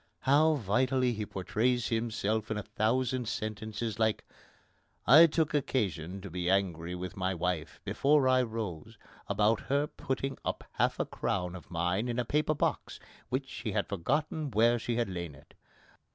How vitally he portrays himself in a thousand sentences like: "I took occasion to be angry with my wife before I rose about her putting up half a crown of mine in a paper box, which she had forgotten where she had lain it.